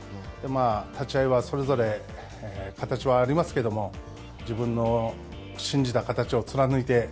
立ち合いはそれぞれ形はありますけれども、自分の信じた形を貫いて。